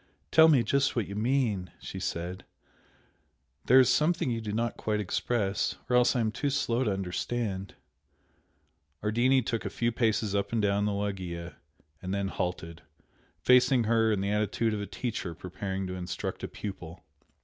"Tell me just what you mean," she said "There is something you do not quite express or else I am too slow to understand " Ardini took a few paces up and down the loggia and then halted, facing her in the attitude of a teacher preparing to instruct a pupil.